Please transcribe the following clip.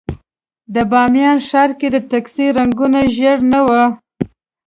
د بامیان ښار کې د ټکسي رنګونه ژېړ نه وو.